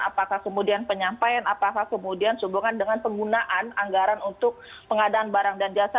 apakah kemudian penyampaian apakah kemudian sehubungan dengan penggunaan anggaran untuk pengadaan barang dan jasa